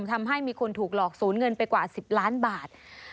ทำให้มีคนถูกหลอกศูนย์เงินไปกว่า๑๐ล้านบาท